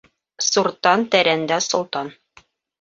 Суртан тәрәндә солтан.